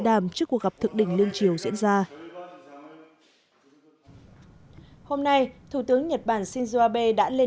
đàm trước cuộc gặp thực đỉnh lương chiều diễn ra hôm nay thủ tướng nhật bản shinzo abe đã lên